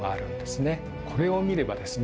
これを見ればですね